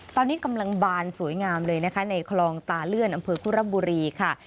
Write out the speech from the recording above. ตอนนี้กำลังบานสวยงามเลยนะคะในคลองตาเลื่อนอำเภอคุรบุรีค่ะ